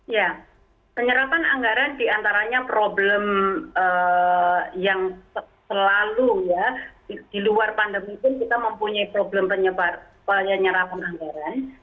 ya penyerapan anggaran diantaranya problem yang selalu ya di luar pandemi pun kita mempunyai problem penyerapan anggaran